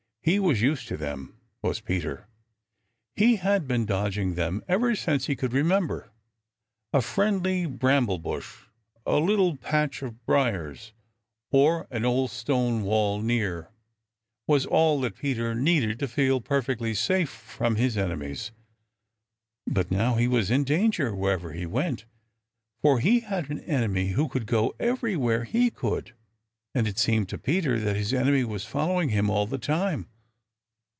He was used to them, was Peter. He had been dodging them ever since he could remember, A friendly bramble bush, a little patch of briars, or an old stone wall near was all that Peter needed to feel perfectly safe from these enemies, But now he was in danger wherever he went, for he had an enemy who could go everywhere he could, and it seemed to Peter that this enemy was following him all the time.